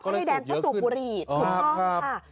ก็เลยสูบเยอะขึ้นถึงพร่องค่ะ